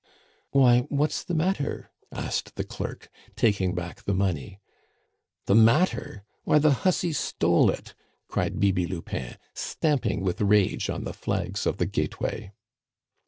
"Why, what's the matter?" asked the clerk, taking back the money. "The matter! Why, the hussy stole it!" cried Bibi Lupin, stamping with rage on the flags of the gateway.